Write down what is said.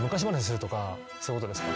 そういうことですか？